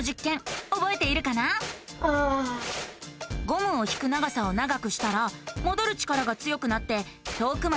ゴムを引く長さを長くしたらもどる力が強くなって遠くまでうごいたよね。